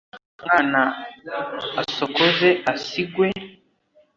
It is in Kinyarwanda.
Umwana asokoze asigwe